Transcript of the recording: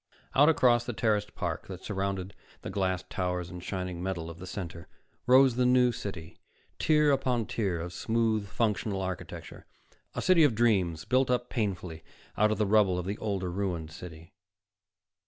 Out across the terraced park that surrounded the glassed towers and shining metal of the Center rose the New City, tier upon tier of smooth, functional architecture, a city of dreams built up painfully out of the rubble of the older, ruined city.